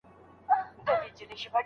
ورزش مو د ژوند د سلامتیا لاره ده.